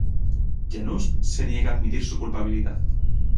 Janusz se niega a admitir su culpabilidad.